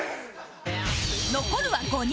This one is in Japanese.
残るは５人